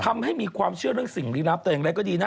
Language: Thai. ทำให้มีความเชื่อเรื่องสิ่งลี้ลับแต่อย่างไรก็ดีนะ